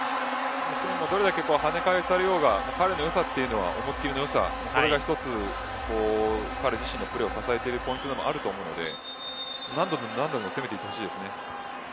どれだけ跳ね返されようが彼の良さは思い切りの良さ、これが一つ彼自身のプレーを支えているポイントでもあると思うので何度も何度も攻めていってほしいですね。